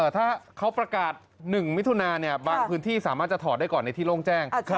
ถ้าเขาประกาศ๑มิถุนาบางพื้นที่สามารถจะถอดได้ก่อนในที่โล่งแจ้ง